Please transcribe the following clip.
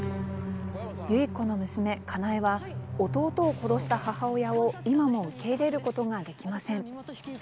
結子の娘、香苗は弟を殺した母親を今も受け入れることができません。